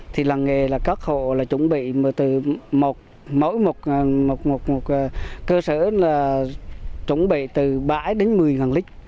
thì làng nghề là các hộ là chuẩn bị từ một mỗi một cơ sở là chuẩn bị từ bảy đến một mươi lít